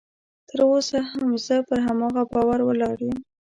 تر اوسه هم زه پر هماغه باور ولاړ یم